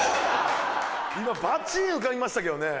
今バチーン浮かびましたけどね。